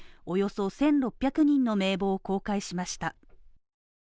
およそ１６００人の名簿を公開しました。